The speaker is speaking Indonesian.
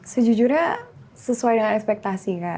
sejujurnya sesuai dengan ekspektasi kak